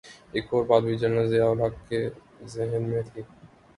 ایک اور بات بھی جنرل ضیاء الحق کے ذہن میں تھی۔